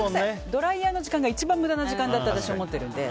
ドライヤーの時間が一番無駄な時間だと思ってるので。